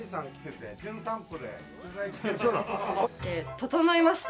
整いました。